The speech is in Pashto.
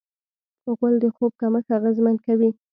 غول د خوب کمښت اغېزمن کوي.